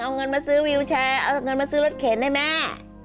เอาเงินมาซื้อวิวแชร์เอาเงินมาซื้อรถเข็นให้แม่